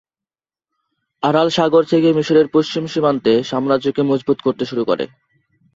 Aral সাগর থেকে মিশরের পশ্চিম সীমান্তে সাম্রাজ্যকে মজবুত করতে শুরু করে।